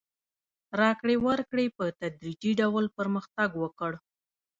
راکړې ورکړې په تدریجي ډول پرمختګ وکړ.